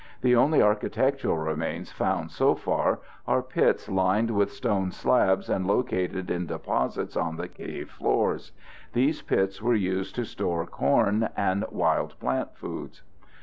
The only architectural remains found so far are pits lined with stone slabs and located in deposits on the cave floors. These pits were used to store corn and wild plant foods.